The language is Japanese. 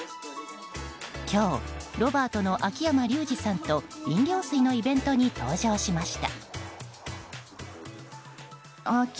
今日、ロバートの秋山竜次さんと飲料水のイベントに登場しました。